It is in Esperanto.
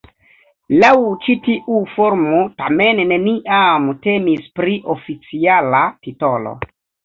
Laŭ ĉi tiu formo tamen neniam temis pri oficiala titolo.